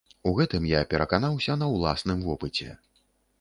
У гэтым я пераканаўся на ўласным вопыце.